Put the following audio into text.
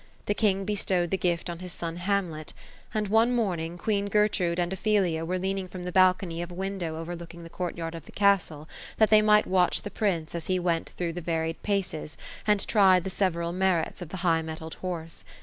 The king bestowed the gift on his son, Hamlet ; and one morning, queen G ertrude, and Ophe lia, were leaning from the balcony of a window over looking the court yard of the castle, tnat thej might watch the prince, as he went through the varied paces, and tried the several merits, of the high mettled horse.